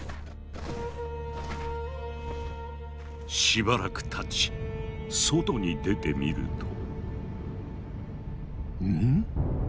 しばらくたち外に出てみると。